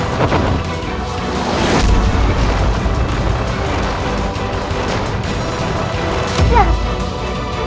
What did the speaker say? putriku ibunda datang menyelamatkanmu